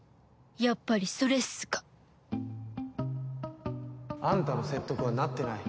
やっぱりそれっすかあんたの説得はなってない。